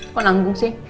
kok nanggung sih